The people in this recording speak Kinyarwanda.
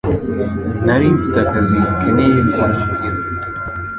Nari mfite akazi gakeneye kurangira.